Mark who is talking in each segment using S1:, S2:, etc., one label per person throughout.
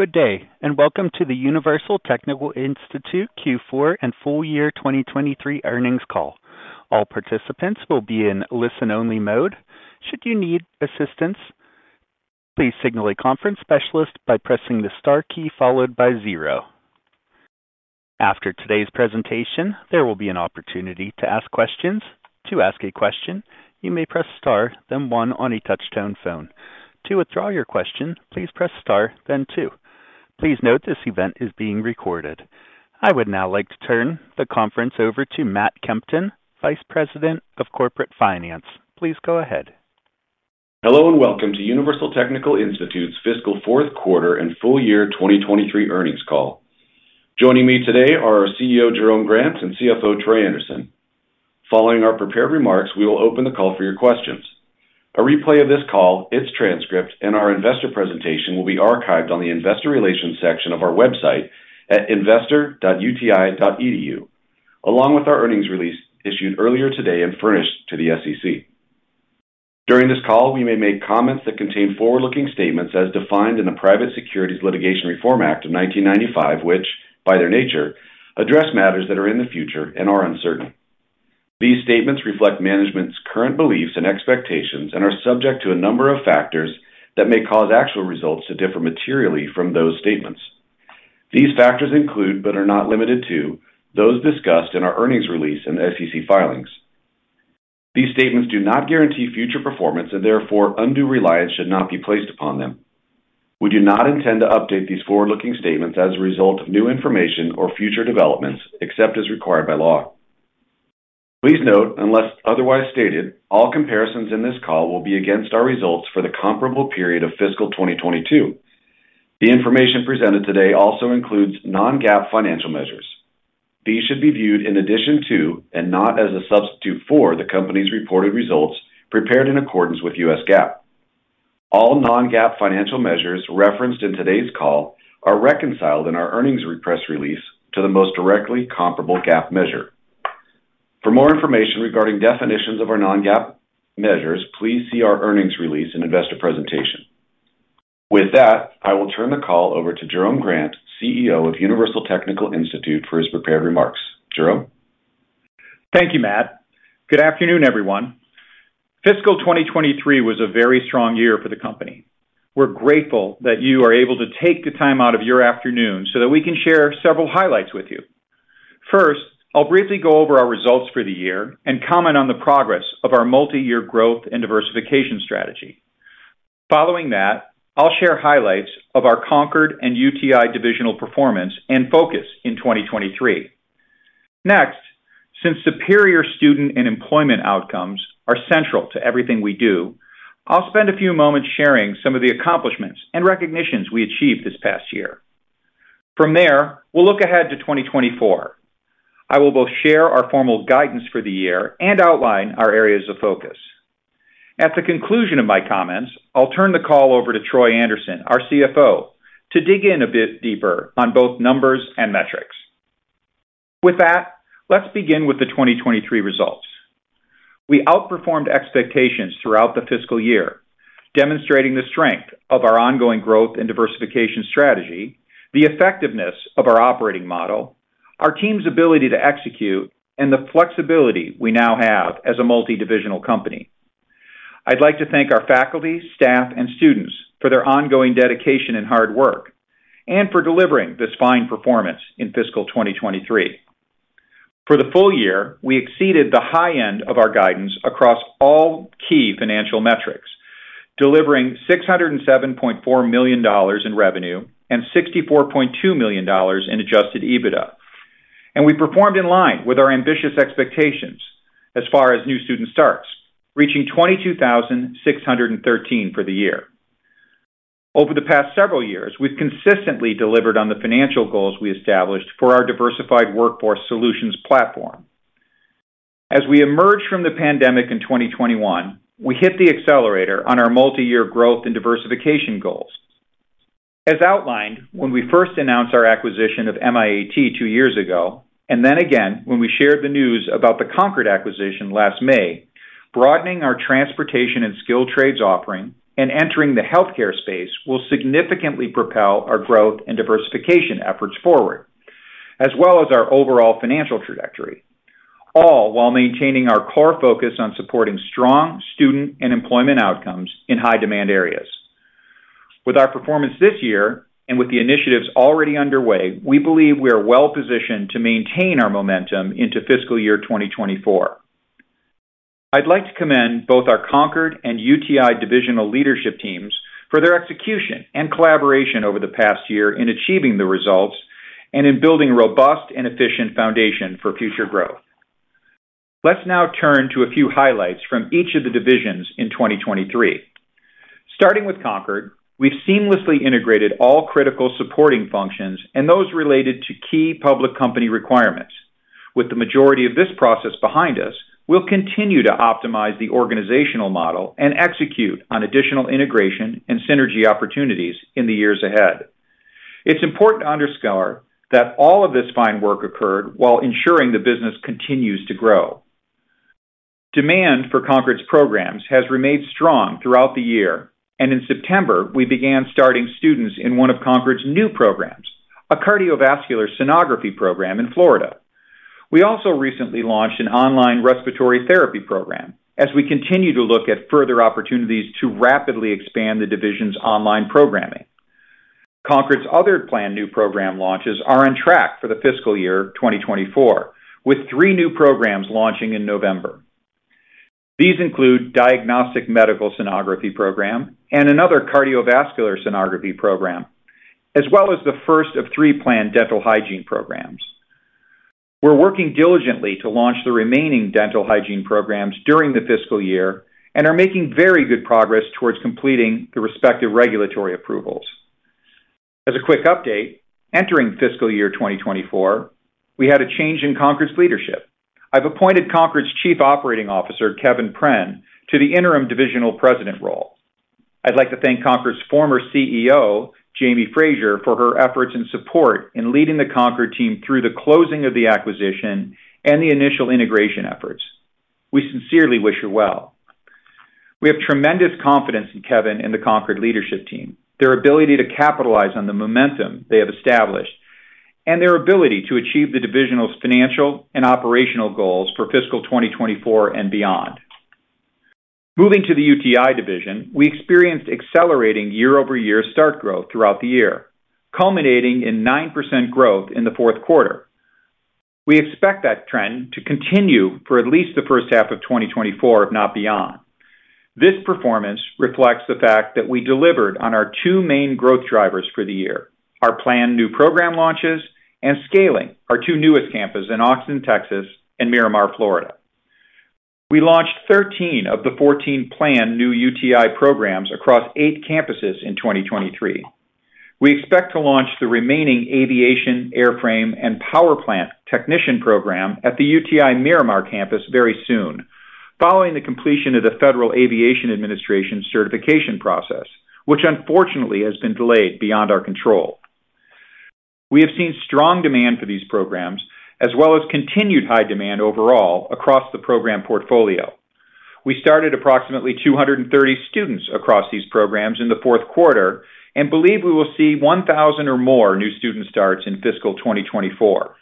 S1: Good day, and welcome to the Universal Technical Institute Q4 and Full Year 2023 Earnings Call. All participants will be in listen-only mode. Should you need assistance, please signal a conference specialist by pressing the star key followed by zero. After today's presentation, there will be an opportunity to ask questions. To ask a question, you may press star, then one on a touchtone phone. To withdraw your question, please press star then two. Please note this event is being recorded. I would now like to turn the conference over to Matt Kempton, Vice President of Corporate Finance. Please go ahead.
S2: Hello, and welcome to Universal Technical Institute's fiscal fourth quarter and full year 2023 earnings call. Joining me today are our CEO, Jerome Grant, and CFO, Troy Anderson. Following our prepared remarks, we will open the call for your questions. A replay of this call, its transcript, and our investor presentation will be archived on the Investor Relations section of our website at investor.uti.edu, along with our earnings release issued earlier today and furnished to the SEC. During this call, we may make comments that contain forward-looking statements as defined in the Private Securities Litigation Reform Act of 1995, which, by their nature, address matters that are in the future and are uncertain. These statements reflect management's current beliefs and expectations and are subject to a number of factors that may cause actual results to differ materially from those statements. These factors include, but are not limited to, those discussed in our earnings release and SEC filings. These statements do not guarantee future performance, and therefore undue reliance should not be placed upon them. We do not intend to update these forward-looking statements as a result of new information or future developments, except as required by law. Please note, unless otherwise stated, all comparisons in this call will be against our results for the comparable period of fiscal 2022. The information presented today also includes non-GAAP financial measures. These should be viewed in addition to, and not as a substitute for, the company's reported results prepared in accordance with U.S. GAAP. All non-GAAP financial measures referenced in today's call are reconciled in our earnings press release to the most directly comparable GAAP measure. For more information regarding definitions of our non-GAAP measures, please see our earnings release and investor presentation. With that, I will turn the call over to Jerome Grant, CEO of Universal Technical Institute, for his prepared remarks. Jerome?
S3: Thank you, Matt. Good afternoon, everyone. Fiscal 2023 was a very strong year for the company. We're grateful that you are able to take the time out of your afternoon so that we can share several highlights with you. First, I'll briefly go over our results for the year and comment on the progress of our multi-year growth and diversification strategy. Following that, I'll share highlights of our Concorde and UTI divisional performance and focus in 2023. Next, since superior student and employment outcomes are central to everything we do, I'll spend a few moments sharing some of the accomplishments and recognitions we achieved this past year. From there, we'll look ahead to 2024. I will both share our formal guidance for the year and outline our areas of focus. At the conclusion of my comments, I'll turn the call over to Troy Anderson, our CFO, to dig in a bit deeper on both numbers and metrics. With that, let's begin with the 2023 results. We outperformed expectations throughout the fiscal year, demonstrating the strength of our ongoing growth and diversification strategy, the effectiveness of our operating model, our team's ability to execute, and the flexibility we now have as a multidivisional company. I'd like to thank our faculty, staff, and students for their ongoing dedication and hard work, and for delivering this fine performance in fiscal 2023. For the full year, we exceeded the high end of our guidance across all key financial metrics, delivering $607.4 million in revenue and $64.2 million in adjusted EBITDA. We performed in line with our ambitious expectations as far as new student starts, reaching 22,613 for the year. Over the past several years, we've consistently delivered on the financial goals we established for our diversified workforce solutions platform. As we emerged from the pandemic in 2021, we hit the accelerator on our multi-year growth and diversification goals. As outlined when we first announced our acquisition of MIAT two years ago, and then again when we shared the news about the Concorde acquisition last May, broadening our transportation and skilled trades offering and entering the healthcare space will significantly propel our growth and diversification efforts forward, as well as our overall financial trajectory, all while maintaining our core focus on supporting strong student and employment outcomes in high-demand areas. With our performance this year and with the initiatives already underway, we believe we are well-positioned to maintain our momentum into fiscal year 2024. I'd like to commend both our Concorde and UTI divisional leadership teams for their execution and collaboration over the past year in achieving the results and in building a robust and efficient foundation for future growth. Let's now turn to a few highlights from each of the divisions in 2023. Starting with Concorde, we've seamlessly integrated all critical supporting functions and those related to key public company requirements. With the majority of this process behind us, we'll continue to optimize the organizational model and execute on additional integration and synergy opportunities in the years ahead. It's important to underscore that all of this fine work occurred while ensuring the business continues to grow. Demand for Concorde's programs has remained strong throughout the year, and in September, we began starting students in one of Concorde's new programs, a Cardiovascular Sonography program in Florida. We also recently launched an online Respiratory Therapy program as we continue to look at further opportunities to rapidly expand the division's online programming. Concorde's other planned new program launches are on track for the fiscal year 2024, with three new programs launching in November. These include Diagnostic Medical Sonography program and another Cardiovascular Sonography program, as well as the first of three planned dental hygiene programs. We're working diligently to launch the remaining dental hygiene programs during the fiscal year and are making very good progress towards completing the respective regulatory approvals. As a quick update, entering fiscal year 2024, we had a change in Concorde's leadership. I've appointed Concorde's Chief Operating Officer, Kevin Prehn, to the interim Divisional President role. I'd like to thank Concorde's former CEO, Jami Frazier, for her efforts and support in leading the Concorde team through the closing of the acquisition and the initial integration efforts. We sincerely wish her well. We have tremendous confidence in Kevin and the Concorde leadership team, their ability to capitalize on the momentum they have established, and their ability to achieve the divisional's financial and operational goals for fiscal 2024 and beyond. Moving to the UTI division, we experienced accelerating year-over-year start growth throughout the year, culminating in 9% growth in the fourth quarter. We expect that trend to continue for at least the first half of 2024, if not beyond. This performance reflects the fact that we delivered on our two main growth drivers for the year, our planned new program launches and scaling our two newest campuses in Austin, Texas, and Miramar, Florida. We launched 13 of the 14 planned new UTI programs across eight campuses in 2023. We expect to launch the remaining aviation Airframe and Powerplant technician program at the UTI Miramar campus very soon, following the completion of the Federal Aviation Administration certification process, which unfortunately has been delayed beyond our control. We have seen strong demand for these programs, as well as continued high demand overall across the program portfolio. We started approximately 230 students across these programs in the fourth quarter and believe we will see 1,000 or more new student starts in fiscal 2024.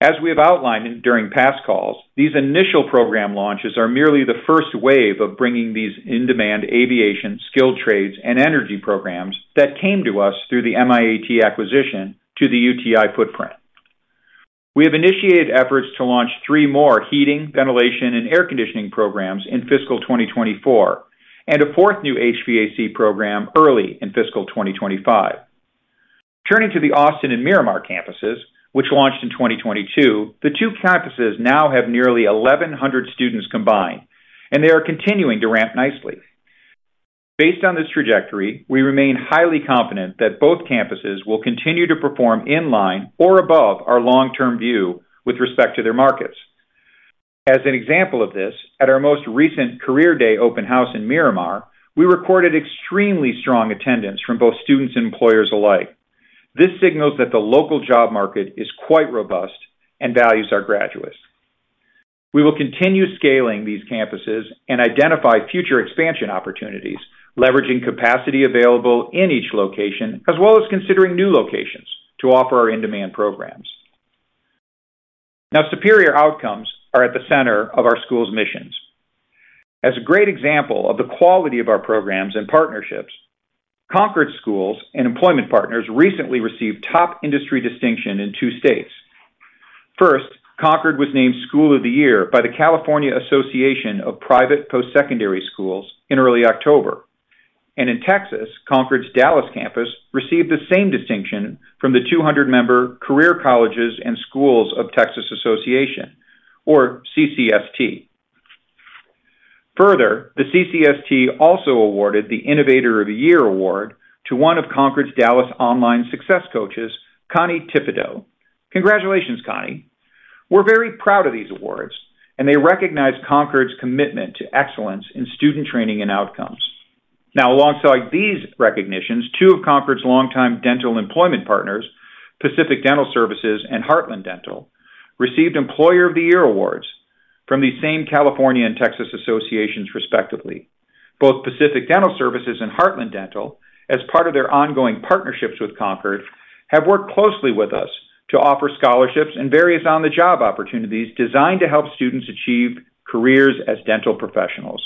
S3: As we have outlined during past calls, these initial program launches are merely the first wave of bringing these in-demand aviation, skilled trades, and energy programs that came to us through the MIAT acquisition to the UTI footprint. We have initiated efforts to launch three more heating, ventilation, and air conditioning programs in fiscal 2024, and a fourth new HVAC program early in fiscal 2025. Turning to the Austin and Miramar campuses, which launched in 2022, the two campuses now have nearly 1,100 students combined, and they are continuing to ramp nicely. Based on this trajectory, we remain highly confident that both campuses will continue to perform in line or above our long-term view with respect to their markets. As an example of this, at our most recent Career Day open house in Miramar, we recorded extremely strong attendance from both students and employers alike. This signals that the local job market is quite robust and values our graduates. We will continue scaling these campuses and identify future expansion opportunities, leveraging capacity available in each location, as well as considering new locations to offer our in-demand programs. Now, superior outcomes are at the center of our school's missions. As a great example of the quality of our programs and partnerships, Concorde Schools and employment partners recently received top industry distinction in two states. First, Concorde was named School of the Year by the California Association of Private Postsecondary Schools in early October. In Texas, Concorde's Dallas campus received the same distinction from the 200-member Career Colleges and Schools of Texas Association, or CCST. Further, the CCST also awarded the Innovator of the Year award to one of Concorde's Dallas online success coaches, Connie Thibodeaux. Congratulations, Connie. We're very proud of these awards, and they recognize Concorde's commitment to excellence in student training and outcomes. Now, alongside these recognitions, two of Concorde's longtime dental employment partners, Pacific Dental Services and Heartland Dental, received Employer of the Year awards from the same California and Texas associations, respectively. Both Pacific Dental Services and Heartland Dental, as part of their ongoing partnerships with Concorde, have worked closely with us to offer scholarships and various on-the-job opportunities designed to help students achieve careers as dental professionals.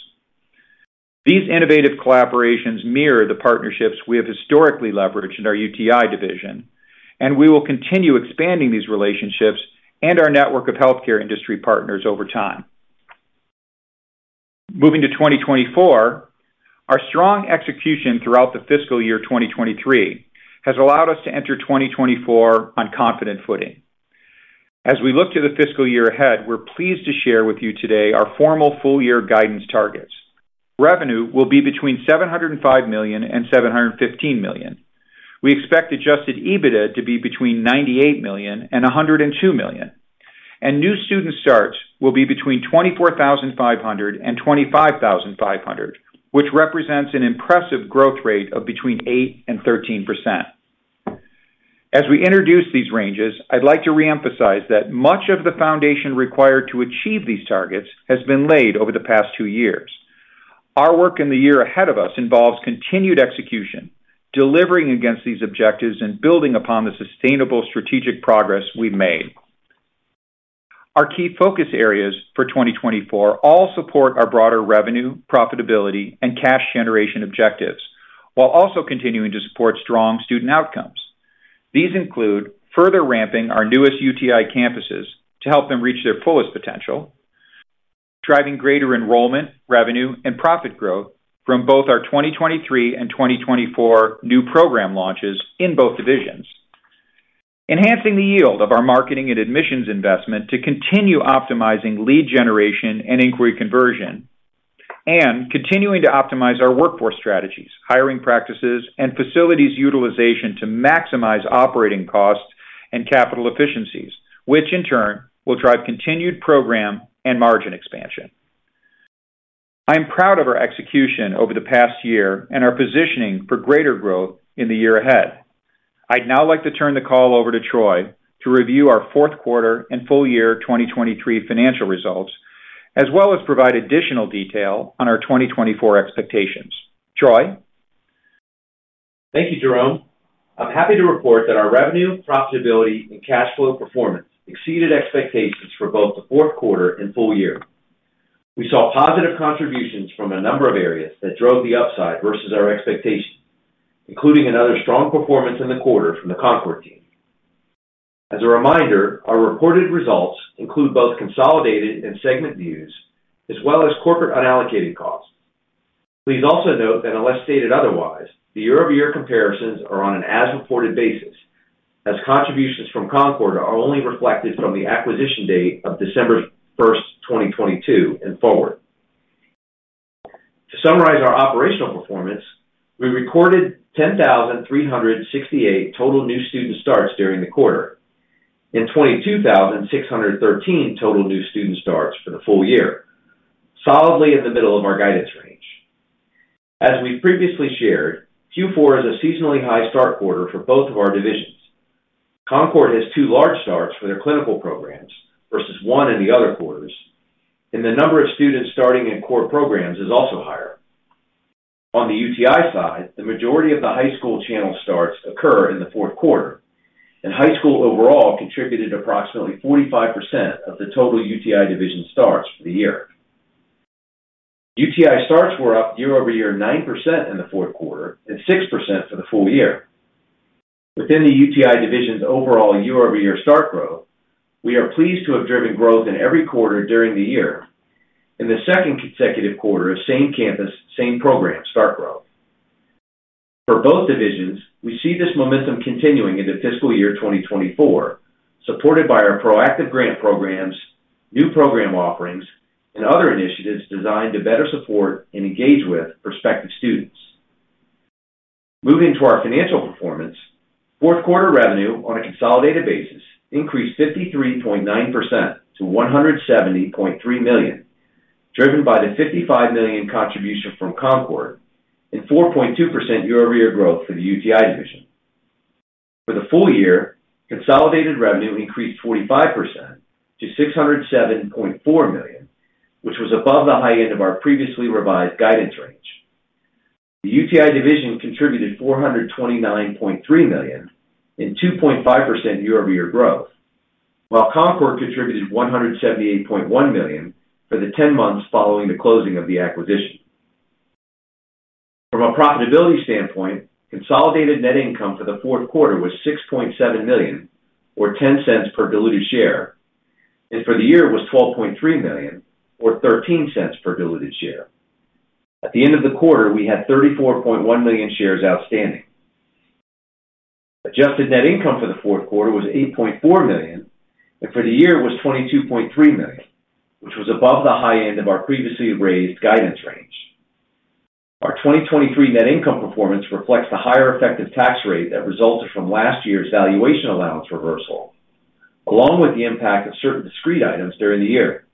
S3: These innovative collaborations mirror the partnerships we have historically leveraged in our UTI division, and we will continue expanding these relationships and our network of healthcare industry partners over time. Moving to 2024, our strong execution throughout the fiscal year 2023 has allowed us to enter 2024 on confident footing. As we look to the fiscal year ahead, we're pleased to share with you today our formal full-year guidance targets. Revenue will be between $705 million and $715 million. We expect adjusted EBITDA to be between $98 million and $102 million, and new student starts will be between 24,500 and 25,500, which represents an impressive growth rate of between 8% and 13%. As we introduce these ranges, I'd like to reemphasize that much of the foundation required to achieve these targets has been laid over the past two years. Our work in the year ahead of us involves continued execution, delivering against these objectives, and building upon the sustainable strategic progress we've made. Our key focus areas for 2024 all support our broader revenue, profitability, and cash generation objectives, while also continuing to support strong student outcomes. These include further ramping our newest UTI campuses to help them reach their fullest potential, driving greater enrollment, revenue, and profit growth from both our 2023 and 2024 new program launches in both divisions. Enhancing the yield of our marketing and admissions investment to continue optimizing lead generation and inquiry conversion, and continuing to optimize our workforce strategies, hiring practices, and facilities utilization to maximize operating costs and capital efficiencies, which in turn will drive continued program and margin expansion. I'm proud of our execution over the past year and our positioning for greater growth in the year ahead. I'd now like to turn the call over to Troy to review our fourth quarter and full year 2023 financial results, as well as provide additional detail on our 2024 expectations. Troy?
S4: Thank you, Jerome. I'm happy to report that our revenue, profitability, and cash flow performance exceeded expectations for both the fourth quarter and full year. We saw positive contributions from a number of areas that drove the upside versus our expectations, including another strong performance in the quarter from the Concorde team. As a reminder, our reported results include both consolidated and segment views, as well as corporate unallocated costs. Please also note that unless stated otherwise, the year-over-year comparisons are on an as-reported basis, as contributions from Concorde are only reflected from the acquisition date of December 1, 2022, and forward. To summarize our operational performance, we recorded 10,368 total new student starts during the quarter, and 22,613 total new student starts for the full year, solidly in the middle of our guidance range. As we've previously shared, Q4 is a seasonally high start quarter for both of our divisions. Concorde has two large starts for their clinical programs versus one in the other quarters, and the number of students starting in core programs is also higher. On the UTI side, the majority of the high school channel starts occur in the fourth quarter, and high school overall contributed approximately 45% of the total UTI division starts for the year. UTI starts were up year-over-year, 9% in the fourth quarter and 6% for the full year. Within the UTI division's overall year-over-year start growth, we are pleased to have driven growth in every quarter during the year. In the second consecutive quarter of same campus, same program start growth. For both divisions, we see this momentum continuing into fiscal year 2024, supported by our proactive grant programs, new program offerings, and other initiatives designed to better support and engage with prospective students. Moving to our financial performance, fourth quarter revenue on a consolidated basis increased 53.9% to $170.3 million, driven by the $55 million contribution from Concorde and 4.2% year-over-year growth for the UTI division. For the full year, consolidated revenue increased 45% to $607.4 million, which was above the high end of our previously revised guidance range. The UTI division contributed $429.3 million in 2.5% year-over-year growth, while Concorde contributed $178.1 million for the ten months following the closing of the acquisition. From a profitability standpoint, consolidated net income for the fourth quarter was $6.7 million, or $0.10 per diluted share, and for the year was $12.3 million, or $0.13 per diluted share. At the end of the quarter, we had 34.1 million shares outstanding. Adjusted net income for the fourth quarter was $8.4 million, and for the year was $22.3 million, which was above the high end of our previously raised guidance range. Our 2023 net income performance reflects the higher effective tax rate that resulted from last year's valuation allowance reversal, along with the impact of certain discrete items during the year.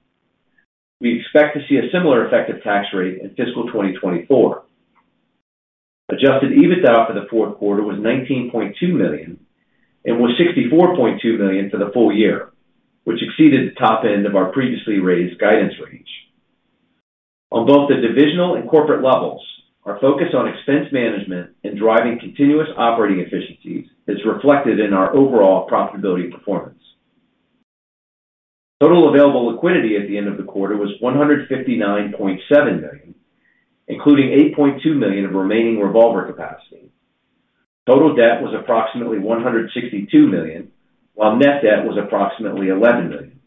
S4: We expect to see a similar effective tax rate in fiscal 2024. Adjusted EBITDA for the fourth quarter was $19.2 million and was $64.2 million for the full year, which exceeded the top end of our previously raised guidance range. On both the divisional and corporate levels, our focus on expense management and driving continuous operating efficiencies is reflected in our overall profitability performance. Total available liquidity at the end of the quarter was $159.7 million, including $8.2 million of remaining revolver capacity. Total debt was approximately $162 million, while net debt was approximately $11 million.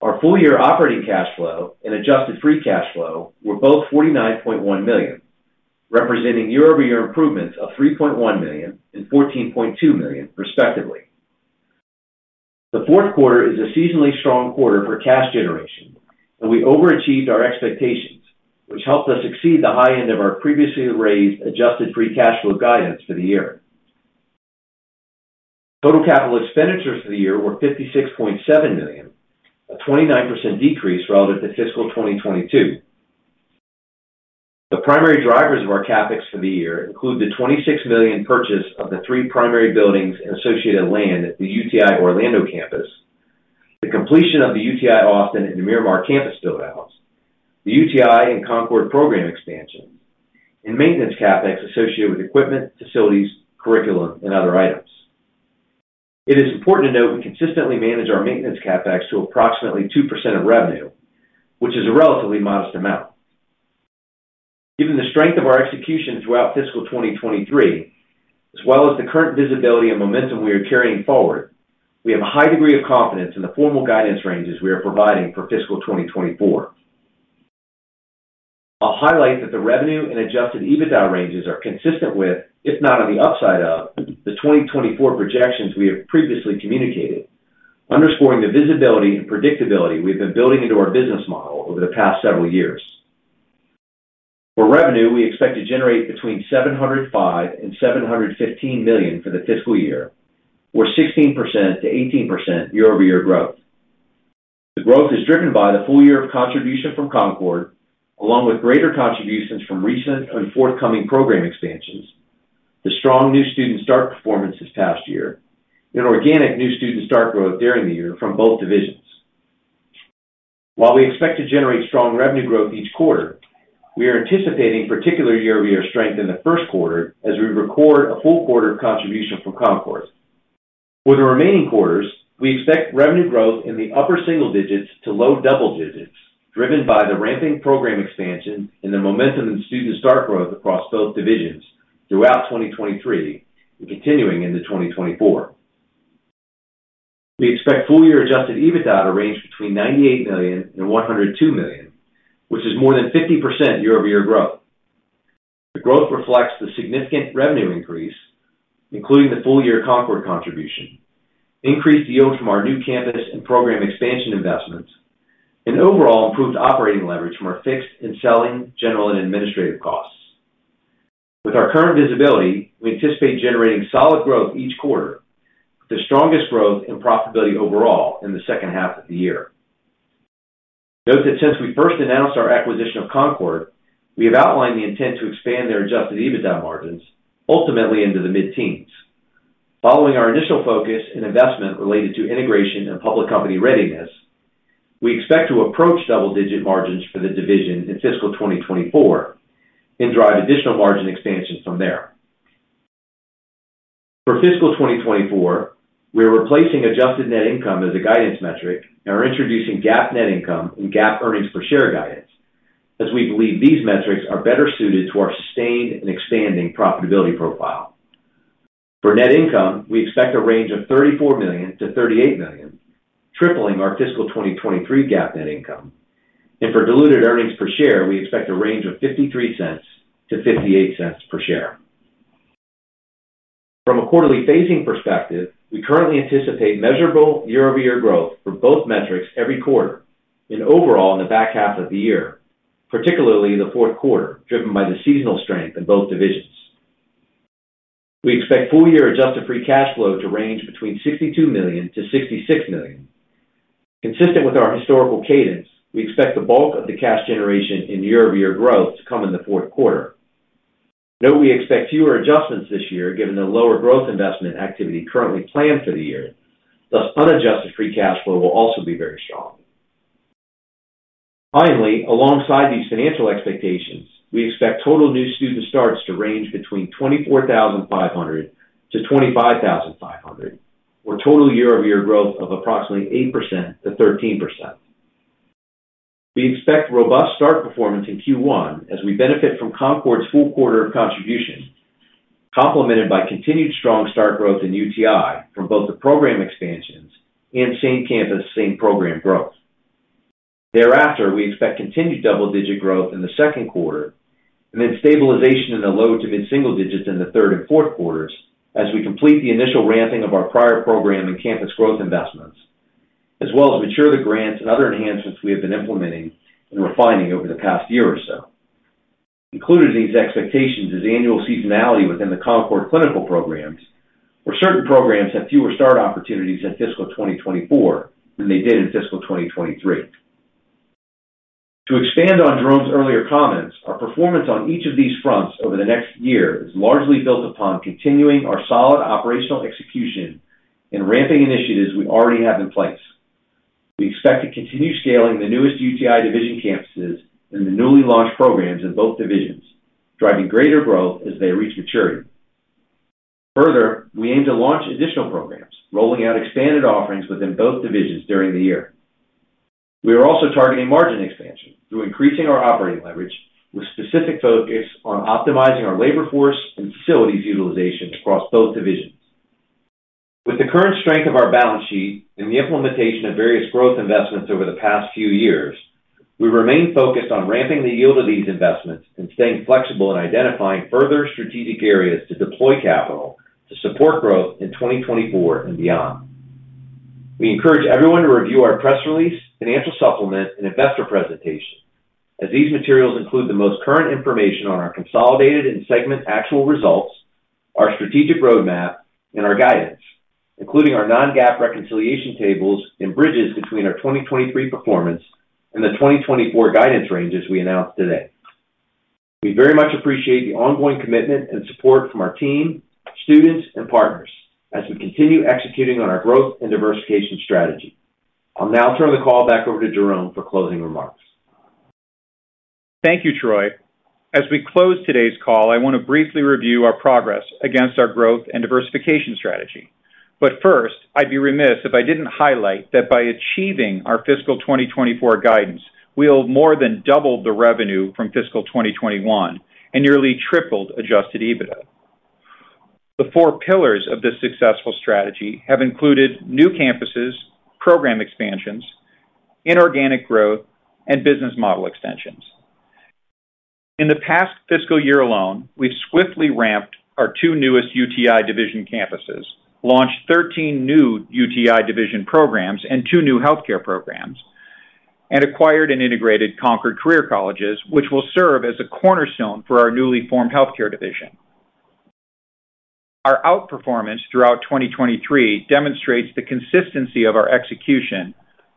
S4: Our full-year operating cash flow and adjusted free cash flow were both $49.1 million, representing year-over-year improvements of $3.1 million and $14.2 million, respectively. The fourth quarter is a seasonally strong quarter for cash generation, and we overachieved our expectations, which helped us exceed the high end of our previously raised adjusted free cash flow guidance for the year. Total capital expenditures for the year were $56.7 million, a 29% decrease relative to fiscal 2022. The primary drivers of our CapEx for the year include the $26 million purchase of the three primary buildings and associated land at the UTI Orlando campus, the completion of the UTI Austin and Miramar campus build-outs, the UTI and Concorde program expansion, and maintenance CapEx associated with equipment, facilities, curriculum, and other items. It is important to note, we consistently manage our maintenance CapEx to approximately 2% of revenue, which is a relatively modest amount. Given the strength of our execution throughout fiscal 2023, as well as the current visibility and momentum we are carrying forward, we have a high degree of confidence in the formal guidance ranges we are providing for fiscal 2024. I'll highlight that the revenue and adjusted EBITDA ranges are consistent with, if not on the upside of, the 2024 projections we have previously communicated, underscoring the visibility and predictability we've been building into our business model over the past several years. For revenue, we expect to generate between $705 million-$715 million for the fiscal year, or 16%-18% year-over-year growth. The growth is driven by the full year of contribution from Concorde, along with greater contributions from recent and forthcoming program expansions, the strong new student start performance this past year, and organic new student start growth during the year from both divisions. While we expect to generate strong revenue growth each quarter, we are anticipating particular year-over-year strength in the first quarter as we record a full quarter of contribution from Concorde. For the remaining quarters, we expect revenue growth in the upper single digits to low double digits, driven by the ramping program expansion and the momentum in student start growth across both divisions throughout 2023 and continuing into 2024. We expect full year adjusted EBITDA to range between $98 million-$102 million, which is more than 50% year-over-year growth. The growth reflects the significant revenue increase, including the full year Concorde contribution, increased yield from our new campus and program expansion investments, and overall improved operating leverage from our fixed and selling, general and administrative costs. With our current visibility, we anticipate generating solid growth each quarter, the strongest growth and profitability overall in the second half of the year. Note that since we first announced our acquisition of Concorde, we have outlined the intent to expand their adjusted EBITDA margins ultimately into the mid-teens. Following our initial focus and investment related to integration and public company readiness, we expect to approach double-digit margins for the division in fiscal 2024 and drive additional margin expansion from there. For fiscal 2024, we are replacing adjusted net income as a guidance metric and are introducing GAAP net income and GAAP earnings per share guidance, as we believe these metrics are better suited to our sustained and expanding profitability profile. For net income, we expect a range of $34 million-$38 million, tripling our fiscal 2023 GAAP net income. For diluted earnings per share, we expect a range of $0.53-$0.58 per share. From a quarterly phasing perspective, we currently anticipate measurable year-over-year growth for both metrics every quarter and overall in the back half of the year, particularly in the fourth quarter, driven by the seasonal strength in both divisions. We expect full year adjusted free cash flow to range between $62 million-$66 million. Consistent with our historical cadence, we expect the bulk of the cash generation in year-over-year growth to come in the fourth quarter. Note, we expect fewer adjustments this year given the lower growth investment activity currently planned for the year, thus unadjusted free cash flow will also be very strong. Finally, alongside these financial expectations, we expect total new student starts to range between 24,500-25,500, or total year-over-year growth of approximately 8%-13%. We expect robust start performance in Q1 as we benefit from Concorde's full quarter of contribution, complemented by continued strong start growth in UTI from both the program expansions and same-campus, same-program growth. Thereafter, we expect continued double-digit growth in the second quarter and then stabilization in the low to mid-single digits in the third and fourth quarters as we complete the initial ramping of our prior program and campus growth investments, as well as mature the grants and other enhancements we have been implementing and refining over the past year or so. Included in these expectations is annual seasonality within the Concorde clinical programs, where certain programs have fewer start opportunities in fiscal 2024 than they did in fiscal 2023. To expand on Jerome's earlier comments, our performance on each of these fronts over the next year is largely built upon continuing our solid operational execution and ramping initiatives we already have in place. We expect to continue scaling the newest UTI division campuses and the newly launched programs in both divisions, driving greater growth as they reach maturity. Further, we aim to launch additional programs, rolling out expanded offerings within both divisions during the year. We are also targeting margin expansion through increasing our operating leverage, with specific focus on optimizing our labor force and facilities utilization across both divisions. With the current strength of our balance sheet and the implementation of various growth investments over the past few years, we remain focused on ramping the yield of these investments and staying flexible in identifying further strategic areas to deploy capital to support growth in 2024 and beyond. We encourage everyone to review our press release, financial supplement, and investor presentation, as these materials include the most current information on our consolidated and segment actual results. Our strategic roadmap, and our guidance, including our non-GAAP reconciliation tables and bridges between our 2023 performance and the 2024 guidance ranges we announced today. We very much appreciate the ongoing commitment and support from our team, students, and partners as we continue executing on our growth and diversification strategy. I'll now turn the call back over to Jerome for closing remarks.
S3: Thank you, Troy. As we close today's call, I want to briefly review our progress against our growth and diversification strategy. But first, I'd be remiss if I didn't highlight that by achieving our fiscal 2024 guidance, we'll more than double the revenue from fiscal 2021 and nearly tripled adjusted EBITDA. The four pillars of this successful strategy have included new campuses, program expansions, inorganic growth, and business model extensions. In the past fiscal year alone, we've swiftly ramped our two newest UTI division campuses, launched 13 new UTI division programs and two new healthcare programs, and acquired and integrated Concorde Career Colleges, which will serve as a cornerstone for our newly formed healthcare division. Our outperformance throughout 2023 demonstrates the consistency of our execution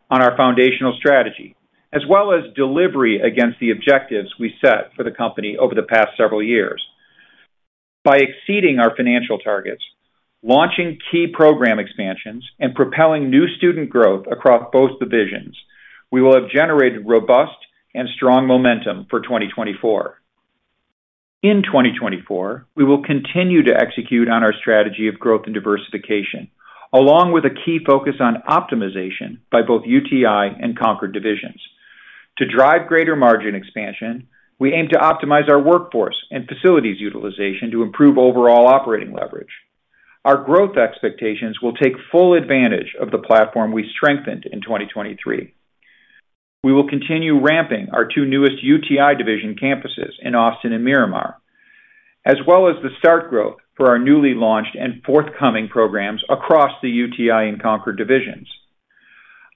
S3: on our foundational strategy, as well as delivery against the objectives we set for the company over the past several years. By exceeding our financial targets, launching key program expansions, and propelling new student growth across both divisions, we will have generated robust and strong momentum for 2024. In 2024, we will continue to execute on our strategy of growth and diversification, along with a key focus on optimization by both UTI and Concorde divisions. To drive greater margin expansion, we aim to optimize our workforce and facilities utilization to improve overall operating leverage. Our growth expectations will take full advantage of the platform we strengthened in 2023. We will continue ramping our two newest UTI division campuses in Austin and Miramar, as well as the start growth for our newly launched and forthcoming programs across the UTI and Concorde divisions.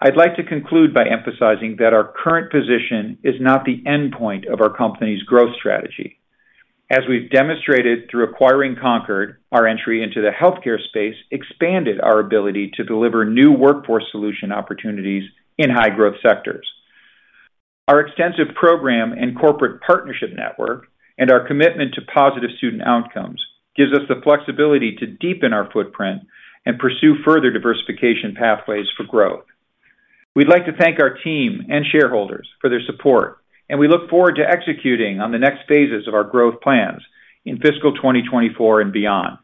S3: I'd like to conclude by emphasizing that our current position is not the endpoint of our company's growth strategy. As we've demonstrated through acquiring Concorde, our entry into the healthcare space expanded our ability to deliver new workforce solution opportunities in high-growth sectors. Our extensive program and corporate partnership network, and our commitment to positive student outcomes, gives us the flexibility to deepen our footprint and pursue further diversification pathways for growth. We'd like to thank our team and shareholders for their support, and we look forward to executing on the next phases of our growth plans in fiscal 2024 and beyond.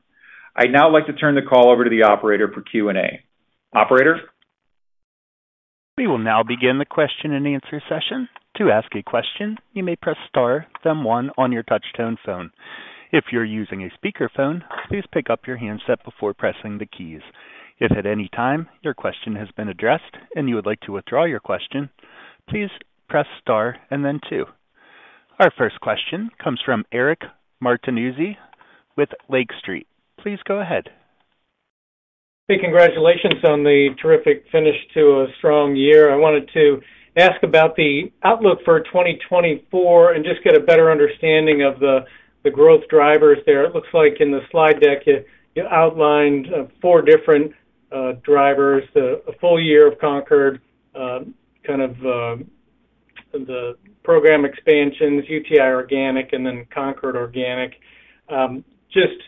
S3: I'd now like to turn the call over to the operator for Q&A. Operator?
S1: We will now begin the question-and-answer session. To ask a question, you may press star then one on your touchtone phone. If you're using a speakerphone, please pick up your handset before pressing the keys. If at any time your question has been addressed and you would like to withdraw your question, please press star and then two. Our first question comes from Eric Martinuzzi with Lake Street. Please go ahead.
S5: Hey, congratulations on the terrific finish to a strong year. I wanted to ask about the outlook for 2024 and just get a better understanding of the growth drivers there. It looks like in the slide deck, you outlined four different drivers: a full year of Concorde, kind of the program expansions, UTI organic, and then Concorde organic. Just,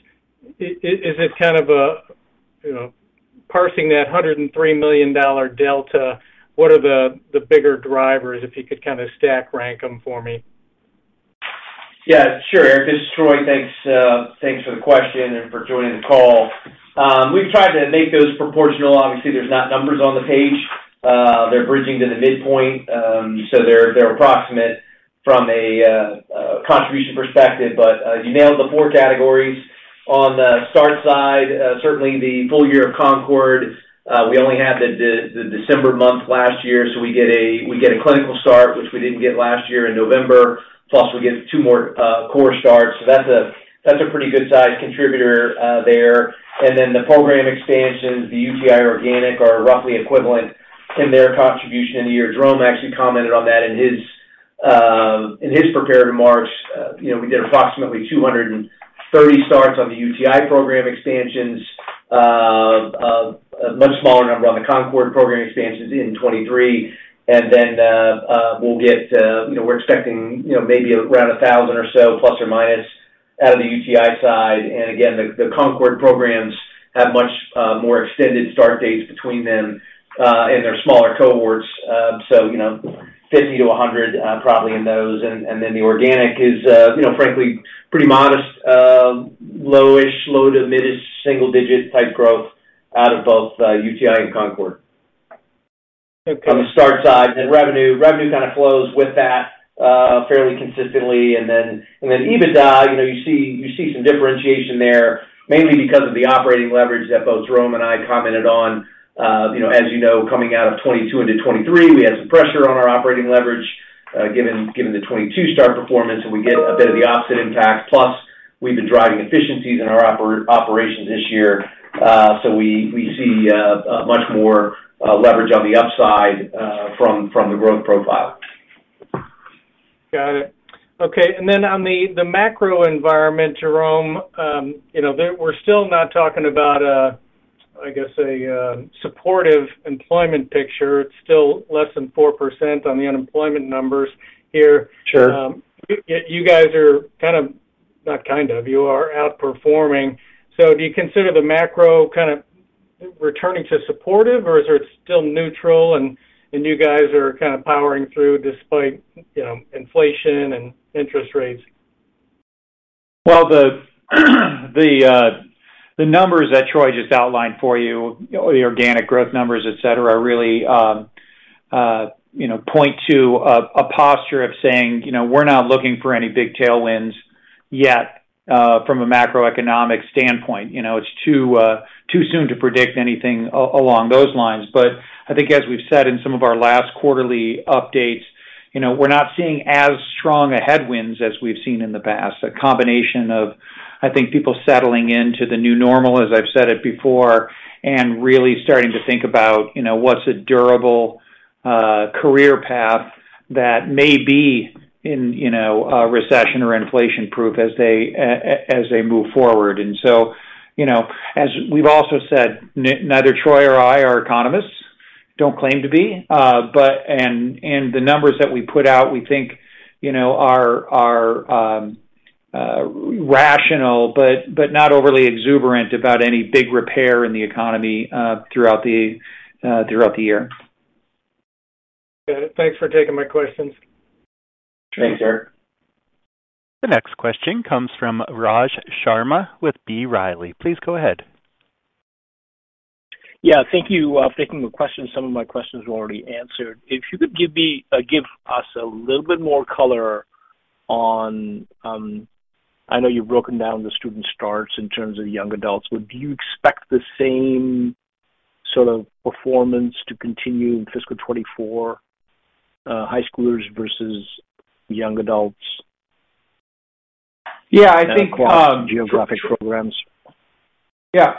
S5: is it kind of a, you know, parsing that $103 million delta, what are the bigger drivers, if you could kind of stack rank them for me?
S4: Yeah, sure, Eric. This is Troy. Thanks, thanks for the question and for joining the call. We've tried to make those proportional. Obviously, there's not numbers on the page. They're bridging to the midpoint, so they're, they're approximate from a contribution perspective, but you nailed the four categories. On the start side, certainly the full year of Concorde, we only had the December month last year, so we get a clinical start, which we didn't get last year in November, plus we get two more core starts. So that's a pretty good size contributor there. And then the program expansions, the UTI organic, are roughly equivalent in their contribution in the year. Jerome actually commented on that in his prepared remarks. You know, we did approximately 230 starts on the UTI program expansions, a much smaller number on the Concorde program expansions in 2023. And then, we'll get, you know, we're expecting, you know, maybe around 1,000 or so, ±, out of the UTI side. And again, the Concorde programs have much more extended start dates between them, and they're smaller cohorts. So, you know, 50-100, probably in those. And then the organic is, you know, frankly, pretty modest, lowish, low- to mid-single-digit type growth out of both, UTI and Concorde.
S5: Okay.
S4: On the start side, then revenue, revenue kind of flows with that, fairly consistently. And then, and then EBITDA, you know, you see, you see some differentiation there, mainly because of the operating leverage that both Jerome and I commented on. You know, as you know, coming out of 2022 into 2023, we had some pressure on our operating leverage, given the 2022 start performance, and we get a bit of the opposite impact. Plus, we've been driving efficiencies in our operations this year. So we see much more leverage on the upside, from the growth profile.
S5: Got it. Okay, and then on the macro environment, Jerome, you know, there, we're still not talking about a, I guess, a supportive employment picture. It's still less than 4% on the unemployment numbers here. Yet you guys are kind of, not kind of, you are outperforming. So do you consider the macro kind of returning to supportive, or is it still neutral, and you guys are kind of powering through despite, you know, inflation and interest rates?
S3: Well, the numbers that Troy just outlined for you, the organic growth numbers, et cetera, really, you know, point to a posture of saying, you know, we're not looking for any big tailwinds yet from a macroeconomic standpoint. You know, it's too soon to predict anything along those lines. But I think as we've said in some of our last quarterly updates, you know, we're not seeing as strong headwinds as we've seen in the past. A combination of, I think, people settling into the new normal, as I've said it before, and really starting to think about, you know, what's a durable career path that may be in, you know, recession or inflation-proof as they as they move forward. And so, you know, as we've also said, neither Troy or I are economists, don't claim to be. But the numbers that we put out, we think, you know, are rational, but not overly exuberant about any big repair in the economy throughout the year.
S5: Good. Thanks for taking my questions.
S3: Thanks, Eric.
S1: The next question comes from Raj Sharma with B. Riley. Please go ahead.
S6: Yeah, thank you for taking the question. Some of my questions were already answered. If you could give me, give us a little bit more color on, I know you've broken down the student starts in terms of young adults, but do you expect the same sort of performance to continue in fiscal 2024, high schoolers versus young adults?
S3: Yeah, I think--
S6: Geographic programs.
S3: Yeah,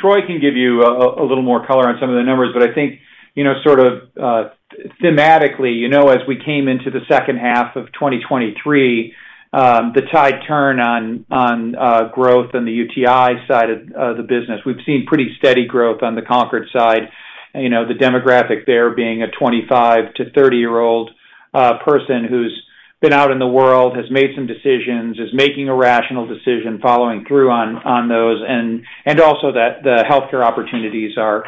S3: Troy can give you a little more color on some of the numbers, but I think, you know, sort of, thematically, you know, as we came into the second half of 2023, the tide turn on growth in the UTI side of the business. We've seen pretty steady growth on the Concorde side. You know, the demographic there being a 25- to 30-year-old person who's been out in the world, has made some decisions, is making a rational decision, following through on those, and also that the healthcare opportunities are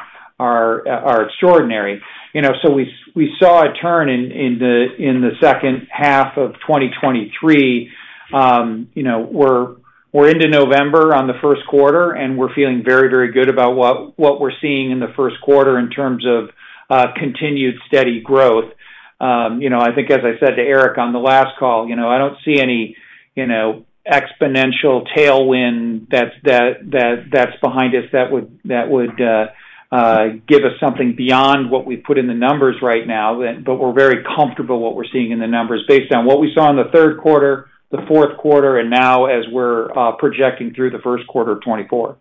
S3: extraordinary. You know, so we saw a turn in the second half of 2023. You know, we're, we're into November on the first quarter, and we're feeling very, very good about what, what we're seeing in the first quarter in terms of continued steady growth. You know, I think as I said to Eric on the last call, you know, I don't see any, you know, exponential tailwind that's behind us that would give us something beyond what we've put in the numbers right now. But we're very comfortable what we're seeing in the numbers based on what we saw in the third quarter, the fourth quarter, and now as we're projecting through the first quarter of 2024.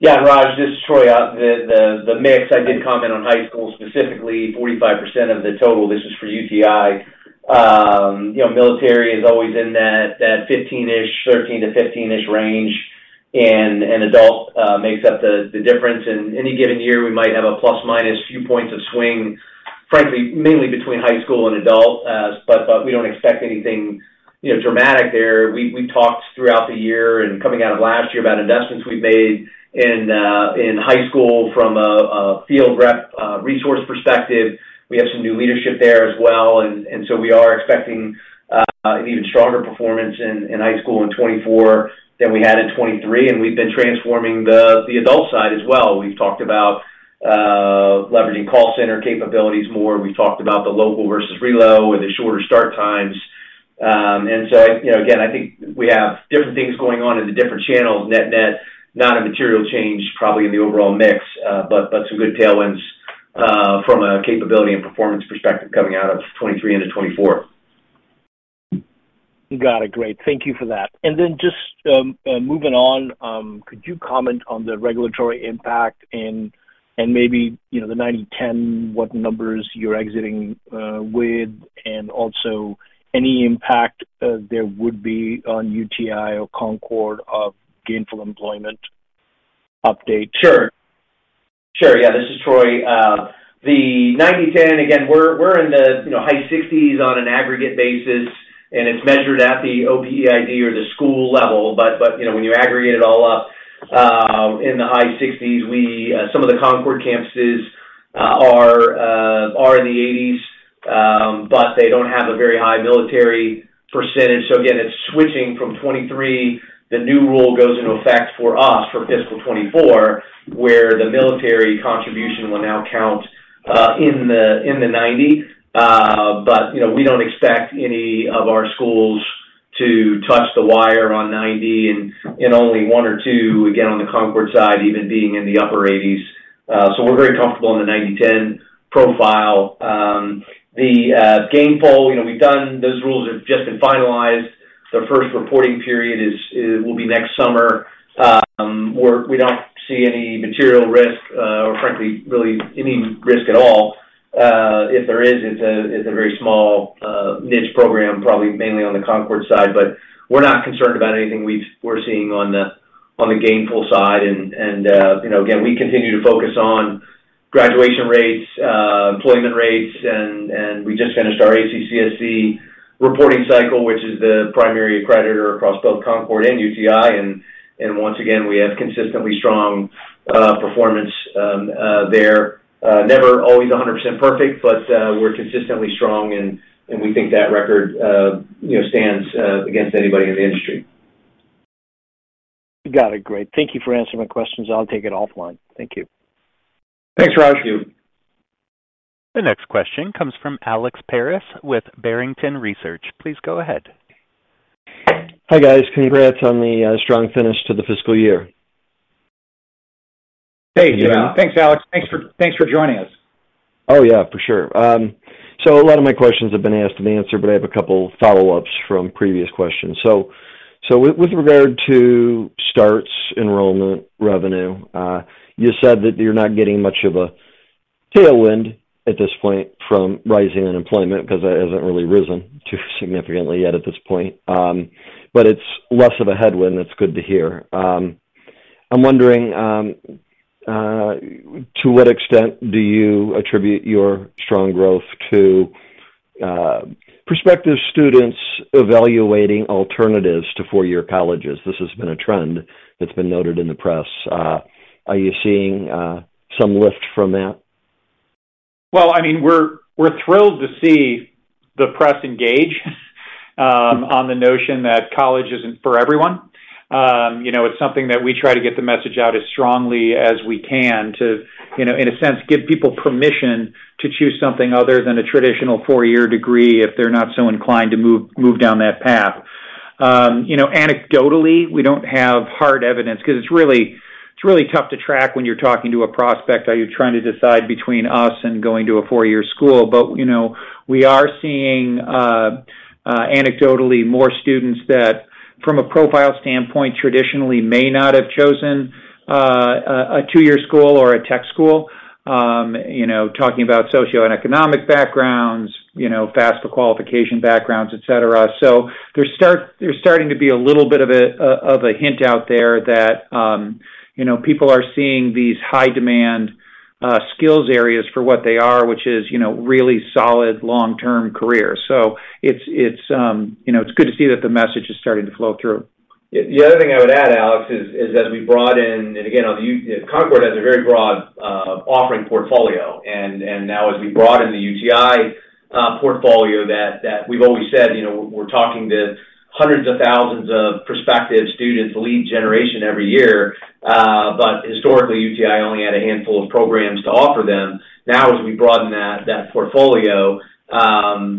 S4: Yeah, Raj, this is Troy. The mix, I did comment on high school, specifically 45% of the total. This is for UTI. You know, military is always in that 15-ish, 13-15-ish range, and adult makes up the difference. In any given year, we might have a ± few points of swing, frankly, mainly between high school and adult. But we don't expect anything, you know, dramatic there. We talked throughout the year and coming out of last year about investments we've made in high school from a field rep resource perspective. We have some new leadership there as well, and so we are expecting an even stronger performance in high school in 2024 than we had in 2023, and we've been transforming the adult side as well. We've talked about leveraging call center capabilities more. We've talked about the local versus relo with the shorter start times. And so, you know, again, I think we have different things going on in the different channels. Net-net, not a material change, probably in the overall mix, but some good tailwinds from a capability and performance perspective coming out of 2023 into 2024.
S6: Got it. Great. Thank you for that. And then just moving on, could you comment on the regulatory impact and maybe, you know, the 90/10, what numbers you're exiting with, and also any impact there would be on UTI or Concorde of gainful employment update?
S4: Sure. Sure, yeah, this is Troy. The 90/10, again, we're in the, you know, high 60s on an aggregate basis, and it's measured at the OPEID or the school level. But, you know, when you aggregate it all up, in the high 60s, we, some of the Concorde campuses, are in the 80s, but they don't have a very high military percentage. So again, it's switching from 2023. The new rule goes into effect for us for fiscal 2024, where the military contribution will now count in the 90. But, you know, we don't expect any of our schools to touch the wire on 90, and only one or two, again, on the Concorde side, even being in the upper 80s. So we're very comfortable in the 90/10 profile. The gainful, you know, we've done-- Those rules have just been finalized. The first reporting period is will be next summer. We're we don't see any material risk, or frankly, really any risk at all. If there is, it's a very small, niche program, probably mainly on the Concorde side. But we're not concerned about anything we're seeing on the Gainful side. And, you know, again, we continue to focus on graduation rates, employment rates, and we just finished our ACCSC reporting cycle, which is the primary accreditor across both Concorde and UTI. And once again, we have consistently strong, performance there. Never always 100% perfect, but, we're consistently strong, and we think that record, you know, stands against anybody in the industry.
S6: Got it. Great. Thank you for answering my questions. I'll take it offline. Thank you.
S3: Thanks, Raj.
S4: Thank you.
S1: The next question comes from Alex Paris with Barrington Research. Please go ahead.
S7: Hi, guys. Congrats on the strong finish to the fiscal year.
S3: Hey, thanks, Alex. Thanks for, thanks for joining us.
S7: Oh, yeah, for sure. So a lot of my questions have been asked and answered, but I have a couple follow-ups from previous questions. So with regard to starts, enrollment, revenue, you said that you're not getting much of a tailwind at this point from rising unemployment, 'cause that hasn't really risen too significantly yet at this point. But it's less of a headwind, that's good to hear. I'm wondering to what extent do you attribute your strong growth to prospective students evaluating alternatives to four-year colleges? This has been a trend that's been noted in the press. Are you seeing some lift from that?
S3: Well, I mean, we're thrilled to see the press engage on the notion that college isn't for everyone. You know, it's something that we try to get the message out as strongly as we can to, you know, in a sense, give people permission to choose something other than a traditional four-year degree if they're not so inclined to move down that path. You know, anecdotally, we don't have hard evidence, 'cause it's really tough to track when you're talking to a prospect. Are you trying to decide between us and going to a four-year school? But, you know, we are seeing anecdotally, more students that, from a profile standpoint, traditionally may not have chosen a two-year school or a tech school. You know, talking about socioeconomic backgrounds, you know, FAFSA qualification backgrounds, et cetera. So there's starting to be a little bit of a hint out there that, you know, people are seeing these high-demand skills areas for what they are, which is, you know, really solid long-term careers. So it's, it's, you know, it's good to see that the message is starting to flow through.
S4: The other thing I would add, Alex, is that we brought in, and again, Concorde has a very broad offering portfolio, and now as we brought in the UTI portfolio, that we've always said, you know, we're talking to hundreds of thousands of prospective students, lead generation every year. But historically, UTI only had a handful of programs to offer them. Now, as we broaden that portfolio,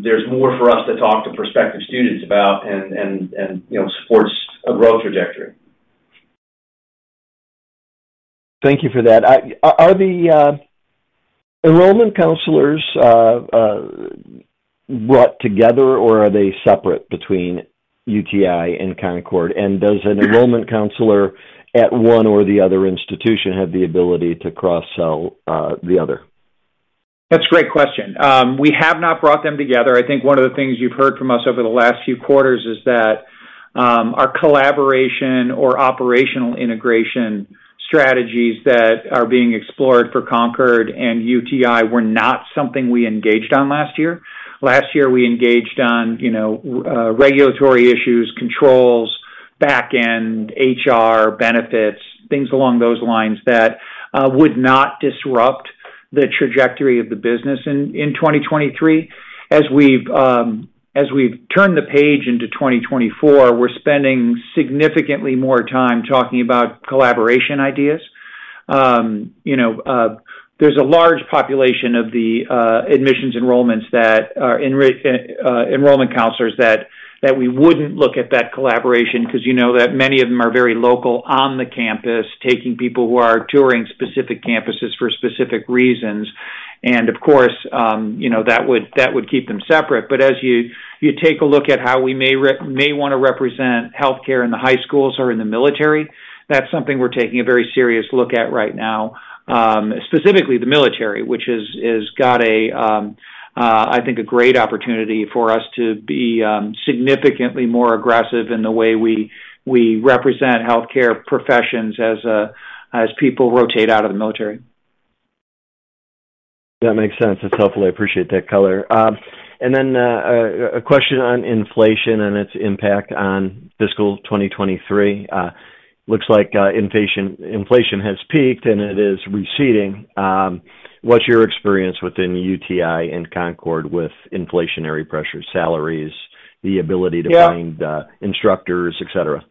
S4: there's more for us to talk to prospective students about and you know supports a growth trajectory.
S7: Thank you for that. Are the enrollment counselors brought together, or are they separate between UTI and Concorde? And does an enrollment counselor at one or the other institution have the ability to cross-sell the other?
S3: That's a great question. We have not brought them together. I think one of the things you've heard from us over the last few quarters is that, our collaboration or operational integration strategies that are being explored for Concorde and UTI were not something we engaged on last year. Last year, we engaged on, you know, regulatory issues, controls, back-end, HR, benefits, things along those lines that, would not disrupt the trajectory of the business in 2023. As we've turned the page into 2024, we're spending significantly more time talking about collaboration ideas. You know, there's a large population of the admissions enrollments that are enrollment counselors, that we wouldn't look at that collaboration because you know that many of them are very local on the campus, taking people who are touring specific campuses for specific reasons. And, of course, you know, that would, that would keep them separate. But as you take a look at how we may wanna represent healthcare in the high schools or in the military, that's something we're taking a very serious look at right now. Specifically the military, which has got, I think, a great opportunity for us to be significantly more aggressive in the way we represent healthcare professions as people rotate out of the military.
S7: That makes sense. That's helpful. I appreciate that color. And then, a question on inflation and its impact on fiscal 2023. Looks like, inflation has peaked and it is receding. What's your experience within UTI and Concorde with inflationary pressure, salaries, the ability to find instructors, et cetera?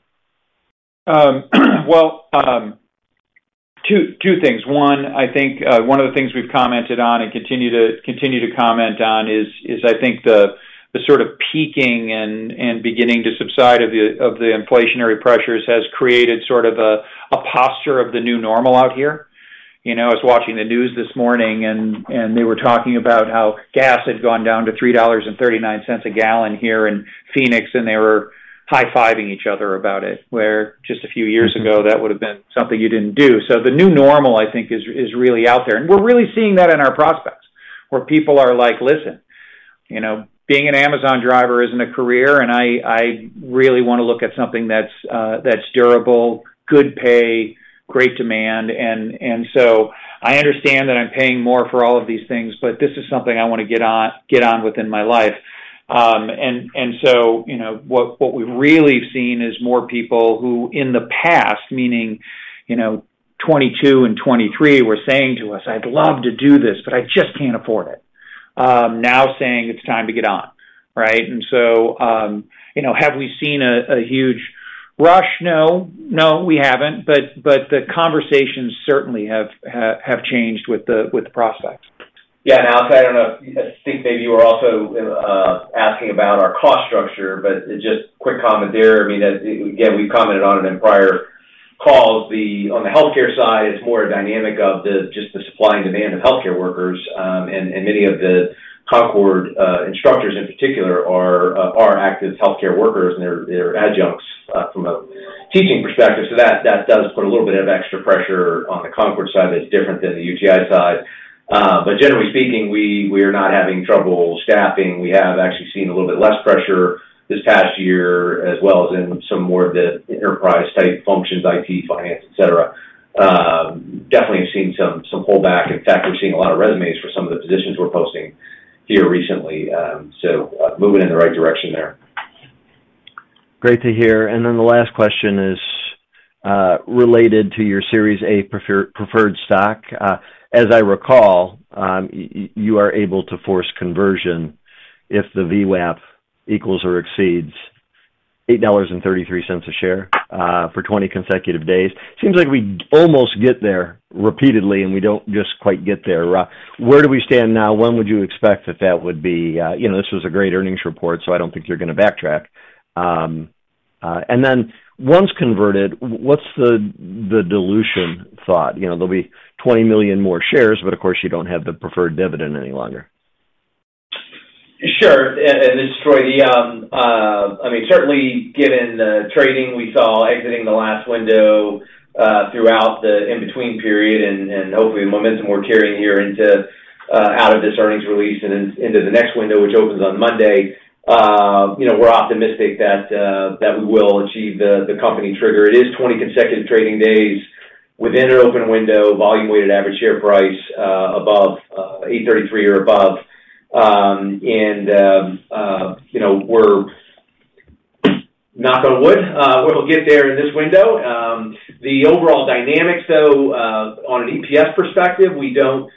S3: Well, two things. One, I think one of the things we've commented on and continue to comment on is I think the sort of peaking and beginning to subside of the inflationary pressures has created sort of a posture of the new normal out here. You know, I was watching the news this morning and they were talking about how gas had gone down to $3.39 a gallon here in Phoenix, and they were high-fiving each other about it, where just a few years ago, that would have been something you didn't do. So the new normal, I think, is really out there, and we're really seeing that in our prospects, where people are like: "Listen, you know, being an Amazon driver isn't a career, and I really wanna look at something that's that's durable, good pay, great demand. And so I understand that I'm paying more for all of these things, but this is something I wanna get on, get on within my life." And so, you know, what we've really seen is more people who, in the past, meaning, you know, 2022 and 2023, were saying to us, "I'd love to do this, but I just can't afford it," now saying, "It's time to get on." Right? And so, you know, have we seen a huge rush? No. No, we haven't. But the conversations certainly have changed with the prospects.
S4: Yeah, Alex, I don't know, I think maybe you were also asking about our cost structure, but just quick comment there. I mean, again, we've commented on it in prior calls. On the healthcare side, it's more a dynamic of the, just the supply and demand of healthcare workers. And many of the Concorde instructors, in particular are active healthcare workers, and they're adjuncts from a teaching perspective. So that does put a little bit of extra pressure on the Concorde side that's different than the UTI side. But generally speaking, we are not having trouble staffing. We have actually seen a little bit less pressure this past year, as well as in some more of the enterprise-type functions, IT, finance, et cetera. Definitely have seen some pullback. In fact, we're seeing a lot of resumes for some of the positions we're posting here recently. Moving in the right direction there.
S7: Great to hear. And then the last question is, related to your Series A Preferred Stock. As I recall, you are able to force conversion if the VWAP equals or exceeds $8.33 a share, for 20 consecutive days. Seems like we almost get there repeatedly, and we don't just quite get there. Where do we stand now? When would you expect that that would be-- You know, this was a great earnings report, so I don't think you're gonna backtrack. And then once converted, what's the dilution thought? You know, there'll be 20 million more shares, but of course, you don't have the preferred dividend any longer.
S4: Sure. And this is Troy. I mean, certainly given the trading we saw exiting the last window, throughout the in-between period, and hopefully momentum we're carrying here into out of this earnings release and into the next window, which opens on Monday, you know, we're optimistic that we will achieve the company trigger. It is 20 consecutive trading days within an open window, volume-weighted average share price above $8.33 or above. And you know, we're, knock on wood, we'll get there in this window. The overall dynamics, though, on an EPS perspective, we don't--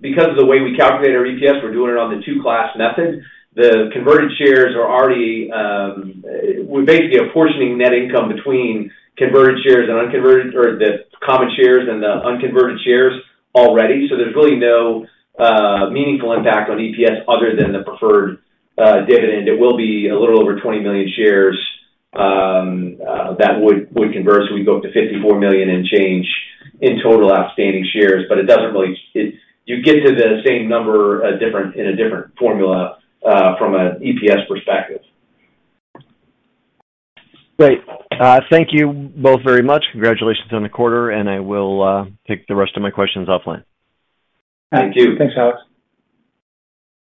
S4: Because of the way we calculate our EPS, we're doing it on the Two-Class Method. The converted shares are already. We're basically apportioning net income between converted shares and unconverted, or the common shares and the unconverted shares already, so there's really no meaningful impact on EPS other than the preferred dividend. It will be a little over 20 million shares that would convert, so we'd go up to 54 million and change in total outstanding shares. But it doesn't really. It—you get to the same number, a different, in a different formula from an EPS perspective.
S7: Great. Thank you both very much. Congratulations on the quarter, and I will take the rest of my questions offline.
S4: Thank you.
S3: Thanks, Alex.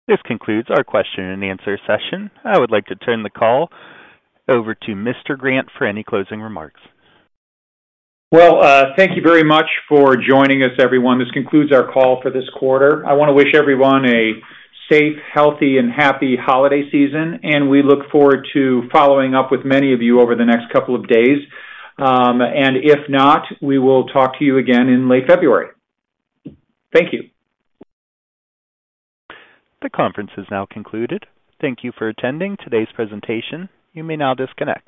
S1: This concludes our question and answer session. I would like to turn the call over to Mr. Grant for any closing remarks.
S3: Well, thank you very much for joining us, everyone. This concludes our call for this quarter. I want to wish everyone a safe, healthy, and happy holiday season, and we look forward to following up with many of you over the next couple of days. And if not, we will talk to you again in late February. Thank you.
S1: The conference is now concluded. Thank you for attending today's presentation. You may now disconnect.